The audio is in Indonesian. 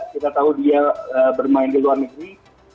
kita tahu dia bermain di luar negeri